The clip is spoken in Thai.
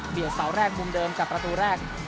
เบียดเสาร์แรกปุ่มเดิมกับประตูแรก